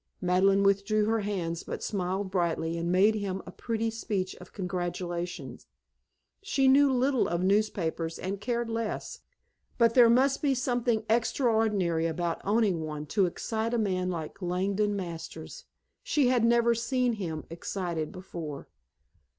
Madeleine withdrew her hands but smiled brightly and made him a pretty speech of congratulation. She knew little of newspapers and cared less, but there must be something extraordinary about owning one to excite a man like Langdon Masters. She had never seen him excited before.